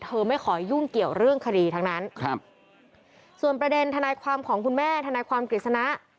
ไม่ขอยุ่งเกี่ยวเรื่องคดีทั้งนั้นครับส่วนประเด็นทนายความของคุณแม่ทนายความกฤษณะ